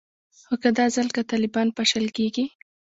خو که دا ځل که طالبان پاشل کیږي